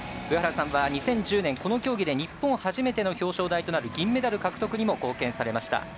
上原さんは２０１０年日本初めての表彰台となる銀メダル獲得にも貢献されました。